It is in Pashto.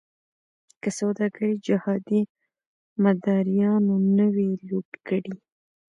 که سوداګري جهادي مداریانو نه وی لوټ کړې.